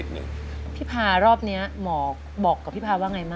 แล้วตอนนี้พี่พากลับไปในสามีออกจากโรงพยาบาลแล้วแล้วตอนนี้จะมาถ่ายรายการ